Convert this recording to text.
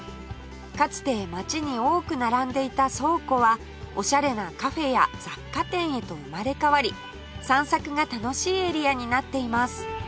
かつて街に多く並んでいた倉庫はオシャレなカフェや雑貨店へと生まれ変わり散策が楽しいエリアになっています